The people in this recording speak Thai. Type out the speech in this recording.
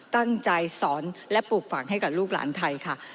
ตั้งใจสอนและปลูกฝังให้กับลูกหลานไทยค่ะ